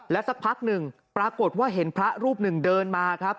สักพักหนึ่งปรากฏว่าเห็นพระรูปหนึ่งเดินมาครับ